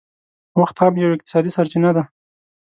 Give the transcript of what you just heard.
وخت هم یو اقتصادي سرچینه ده